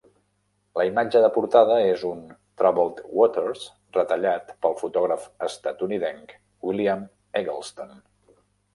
La imatge de portada és un "Troubled Waters" retallat pel fotògraf estatunidenc William Eggleston.